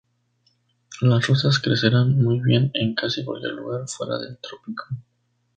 Las rosas crecerán muy bien en casi cualquier lugar fuera del trópico.